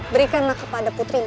berikanlah kepada putrinya